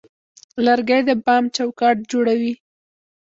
لرګی د بام چوکاټ جوړوي.